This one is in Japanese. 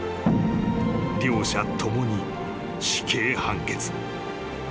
［両者共に死刑判決］